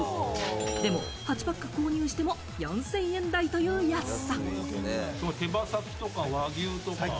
でも８パック購入しても４０００円台という安さ。